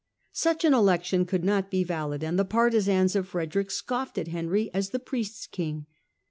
Such an election could not be valid, and the partisans of Frederick scoffed at Henry as the priest's king.